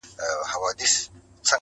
o طبيب هغه دئ، چي پر ورغلي وي.